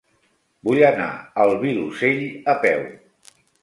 Vull anar al Vilosell a peu.